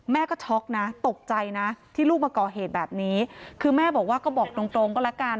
แม่ก็ช็อกนะตกใจนะที่ลูกมาก่อเหตุแบบนี้คือแม่บอกว่าก็บอกตรงตรงก็แล้วกัน